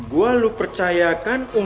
gue lo percayakan untuk